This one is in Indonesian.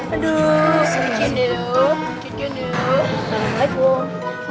aduh sedikit dulu sedikit dulu